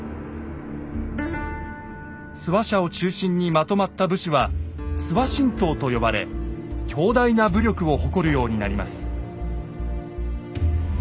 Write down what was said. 諏訪社を中心にまとまった武士は「諏訪神党」と呼ばれ強大な武力を誇るようになります。